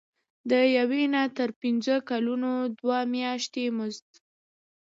د یو نه تر پنځه کلونو دوه میاشتې مزد.